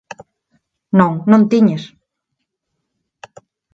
Non, non tiñas!